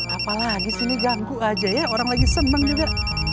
apalagi sini ganggu aja ya orang lagi seneng juga